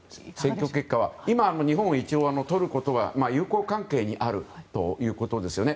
選挙結果は日本はトルコとは友好関係にあるということですよね。